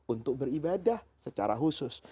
untuk beribadah secara khusus